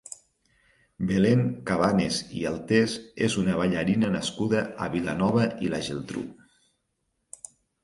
Belén Cabanes i Altés és una ballarina nascuda a Vilanova i la Geltrú.